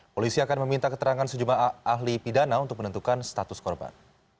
polisi akan meminta keterangan sejumlah ahli pidana untuk menentukan status korban